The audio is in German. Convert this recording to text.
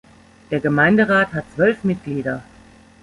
Der Gemeinderat hat zwölf Mitglieder.